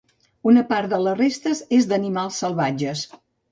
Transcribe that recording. Una part de les restes és d'animals salvatges.